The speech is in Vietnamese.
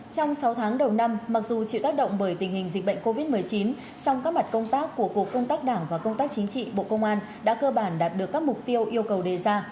trong sáu tháng đầu năm mặc dù chịu tác động bởi tình hình dịch bệnh covid một mươi chín song các mặt công tác của cục công tác đảng và công tác chính trị bộ công an đã cơ bản đạt được các mục tiêu yêu cầu đề ra